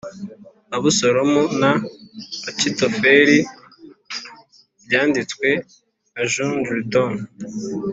"abusalomu na achitofeli" byanditswe na john dryden